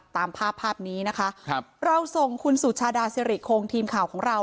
ตามภาพภาพนี้นะคะครับเราส่งคุณสุชาดาสิริโครงทีมข่าวของเรา